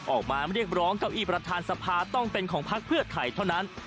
ออกมาเรียกร้องเก้าอี้ประธานสภาต้องเป็นของพักเพื่อไทยเท่านั้น